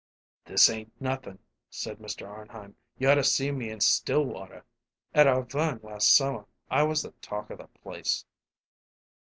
"This ain't nothin'," said Mr. Arnheim. "You ought to see me in still water. At Arverne last summer I was the talk of the place."